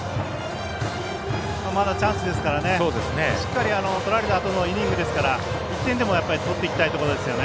まだチャンスですからしっかり、とられたあとのイニングですから１点でも取っていきたいところですよね。